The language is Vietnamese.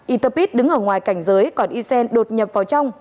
yterpit đứng ở ngoài cảnh giới còn ysen đột nhập vào trong